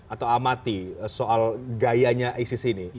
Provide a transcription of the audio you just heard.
atau amati soal gayanya isis ini